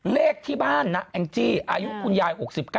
เลขที่บ้านนะแองจี้อายุคุณยาย๖๙